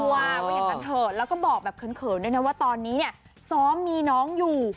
วัยกันเถอะแล้วก็บอกเขินด้วยว่าตอนนี้ซ้อมมีน้องอยู่